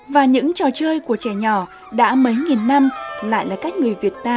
và những trò chơi của trẻ nhỏ đã mấy nghìn năm lại là cách người việt ta hiểu hiểu hiểu